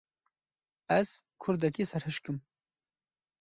Ez kurdekî serhişk im.